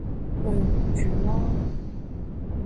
對唔住囉